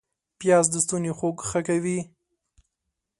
پیاز د ستوني خوږ ښه کوي